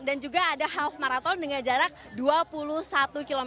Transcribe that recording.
dan juga ada half marathon dengan jarak dua puluh satu km